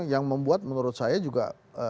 yang membuat menurut saya juga